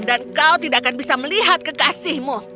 dan kau tidak akan bisa melihat kekasihmu